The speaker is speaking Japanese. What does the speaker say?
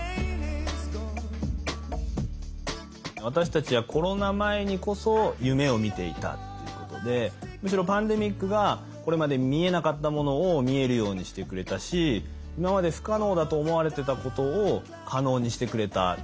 私たちはコロナ前にこそ夢を見ていたということでむしろパンデミックがこれまで見えなかったものを見えるようにしてくれたし今まで不可能だと思われてたことを可能にしてくれた。